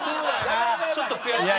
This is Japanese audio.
ちょっと悔しい。